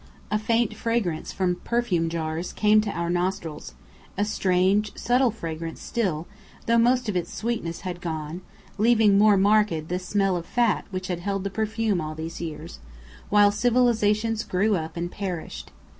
A faint fragrance from perfume jars came to our nostrils: a strange, subtle fragrance still, though most of its sweetness had gone, leaving more marked the smell of fat which had held the perfume all these years, while civilizations grew up and perished.